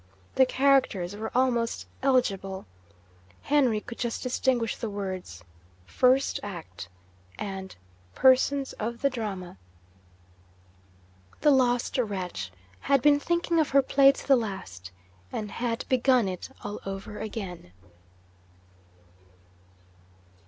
The characters were almost illegible. Henry could just distinguish the words, 'First Act,' and 'Persons of the Drama.' The lost wretch had been thinking of her Play to the last, and had begun it all over again!